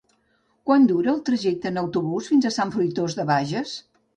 Quant dura el trajecte en autobús fins a Sant Fruitós de Bages?